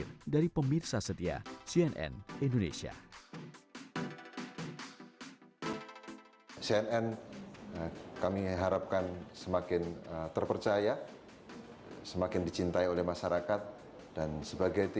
maksud saya anda harus diperlihatkan di lebih banyak tempat